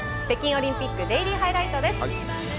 北京オリンピックデイリーハイライトです。